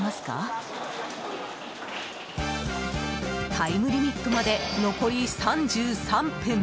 タイムリミットまで残り３３分。